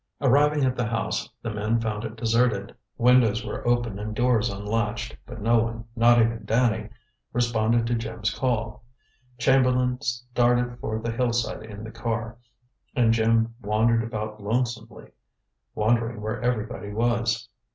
Arriving at the house, the men found it deserted. Windows were open and doors unlatched, but no one, not even Danny, responded to Jim's call. Chamberlain started for the Hillside in the car, and Jim wandered about lonesomely, wondering where everybody was.